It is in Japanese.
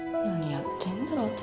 何やってんだろ？